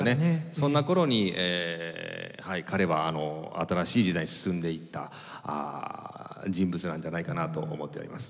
そんな頃にはい彼は新しい時代に進んでいった人物なんじゃないかなと思っております。